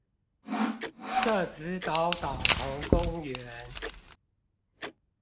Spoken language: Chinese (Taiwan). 社子島島頭公園